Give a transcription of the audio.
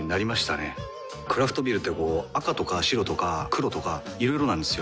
クラフトビールってこう赤とか白とか黒とかいろいろなんですよ。